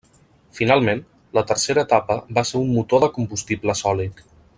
Finalment, la tercera etapa va ser un motor de combustible sòlid.